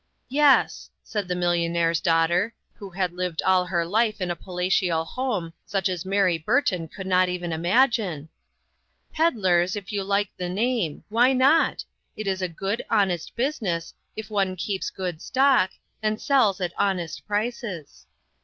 "Yes," said the millionnaire's daughter, who had lived all her life in a palatial home such as Mary Burton could not even imagine, " pedlers, if you like the name ; why not? It is a good, honest business, if one keeps good stock, and sells at honest prices.